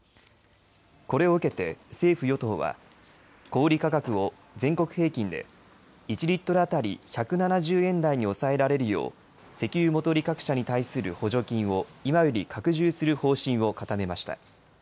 これを受けて政府、与党は小売価格を全国平均で１リットル当たり１７０円台に抑えられるよう石油元売各社に対する補助金を今より拡充する方針を固めました。